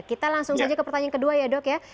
kita langsung saja ke pertanyaan kedua ya dok ya